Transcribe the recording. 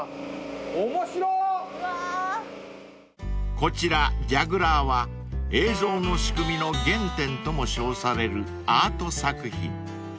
［こちら『ジャグラー』は映像の仕組みの原点とも称されるアート作品］